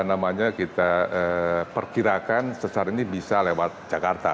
namanya kita perkirakan sesar ini bisa lewat jakarta